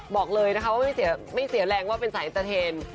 บอกเลยนะคะว่าไม่เสียแรงว่าเป็นสายเอ็น